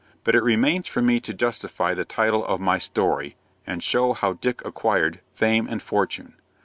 But it remains for me to justify the title of my story, and show how Dick acquired "Fame and Fortune."